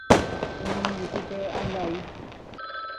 Oñemoĩ pype andai.